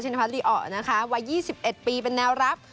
ชินภัทรีอ๋อนะคะวัย๒๑ปีเป็นแนวรับ